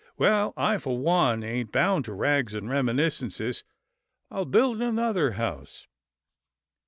Well I, for one, ain't bound to rags and reminiscences. I'll build another house."